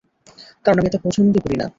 কারণ আমি এটা পছন্দ করি না।